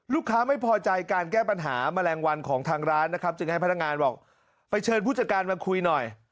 ลูกค้าไม่พอใจการแก้ปัญหาแมลงวันของทางร้านนะครับจึงให้พนักงานบอกไปเชิญผู้จัดการมาคุยหน่อย